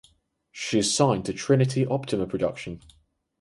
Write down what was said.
She is signed to Trinity Optima Production.